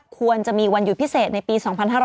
ควรจะมีวันหยุดพิเศษในปี๒๕๕๙